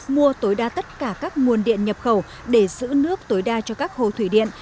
mua tối đa tất cả các nguồn điện nhập khẩu để giữ nước tối đa cho các hồ thủy điện